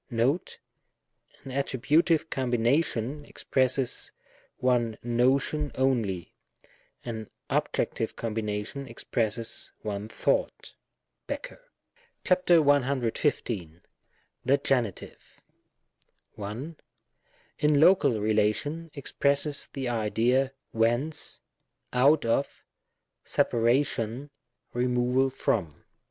Note. An attributive combination expresses one notion only, an objectiye combination expresses one thought. (Becker.). 8 170 THE GENITIVE. §115. §115. The Genitive, 1. In Local relation, expresses the idea whence^ out of^ separation^ removal from.